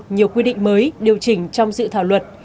nhiều quy định mới điều chỉnh trong dự thảo luật